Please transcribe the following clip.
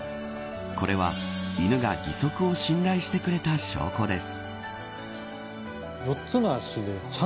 これは犬が義足を信頼してくれた証拠です。